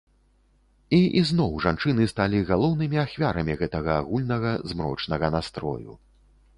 І ізноў жанчыны сталі галоўнымі ахвярамі гэтага агульнага змрочнага настрою.